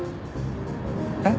えっ？